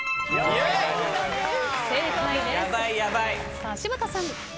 さあ柴田さん。